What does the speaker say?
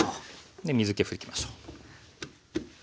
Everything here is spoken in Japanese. で水け拭きましょう。